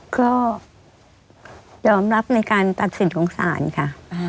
ก็ยอมรับในการตัดสินของศาลค่ะ